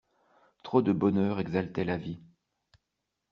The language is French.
Trop de bonheur exaltait la vie.